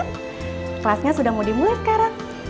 kelasnya sudah mau dimulai sekarang